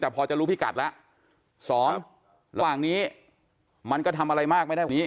แต่พอจะรู้พี่กัดแล้วสองข้างนี้มันก็ทำอะไรมากไม่ได้